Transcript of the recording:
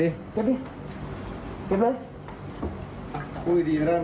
เดี๋ยวผมต้องไปตั้งการเลยนะได้ครับสุดทีครับได้ครับ